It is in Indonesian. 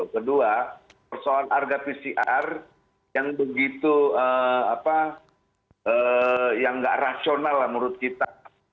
kedua persoalan harga pcr yang begitu yang nggak rasional lah menurut kita